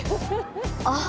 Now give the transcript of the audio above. あっ。